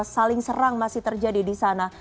saling serang masih terjadi di sana